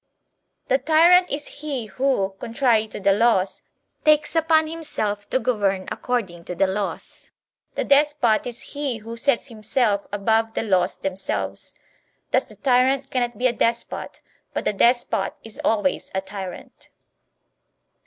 The tyrant is he who, con trary to the laws, takes upon himself to govern according to the laws; the despot is he who sets himself above the laws themselves. Thus the tyrant cannot be a despot, but the despot is always a tyrant.